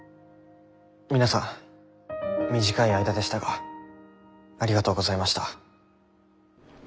皆さん短い間でしたがありがとうございました。